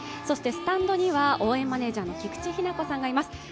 スタンドには応援マネージャーの菊池日菜子さんがいます。